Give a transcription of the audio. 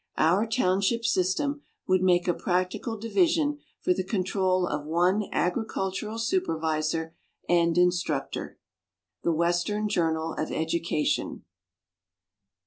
Our township system would make a practical division for the control of one agricultural supervisor and instructor." The Western Journal of Education.